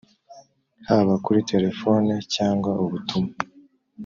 haba kuri telefone cyangwa ubutumwa